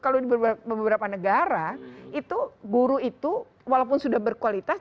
kalau di beberapa negara itu guru itu walaupun sudah berkualitas